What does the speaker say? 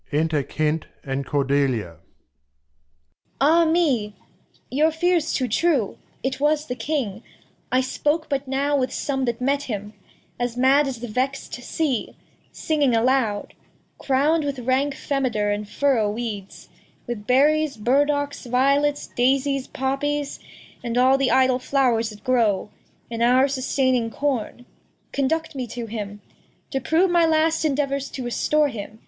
Enter Kent and Cordeha. Cord. Ah me! your Fear's too true, it was the King; I spoke but now with some that met him As mad as the vex'd Sea singing aloud, Crown'd with rank Femiter, and Furrow Weeds, With Berries, Burdocks, Violets, Dazies, Poppies, And aU the idle Flowers that grow In our sustaining Corn ; conduct me to him.